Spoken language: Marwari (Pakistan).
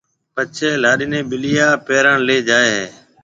پڇيَ لاڏِي نيَ ٻِليا پيراڻ ليَ جائيَ ھيََََ